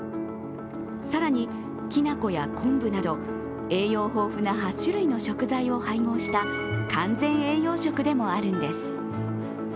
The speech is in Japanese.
更に、きな粉や昆布など栄養豊富な８種類の食材を配合した完全栄養食でもあるんです。